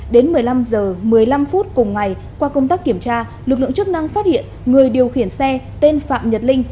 đến một mươi năm h một mươi năm phút cùng ngày qua công tác kiểm tra lực lượng chức năng phát hiện người điều khiển xe tên phạm nhật linh